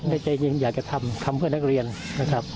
ในใจจริงอยากจะทำเพื่อนนักเรียนนะครับ